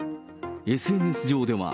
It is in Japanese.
ＳＮＳ上では。